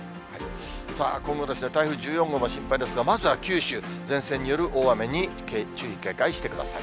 さあ、今後、台風１４号も心配ですが、まずは九州、前線による大雨に注意、警戒してください。